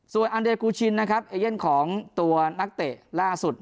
ส่วนอันเดกูชินนะครับเอเย่นของตัวนักเตะล่าสุด